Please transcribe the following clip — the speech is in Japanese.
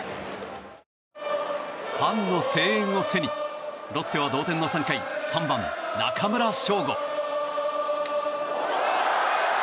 ファンの声援を背にロッテは同点の３回３番、中村奨吾。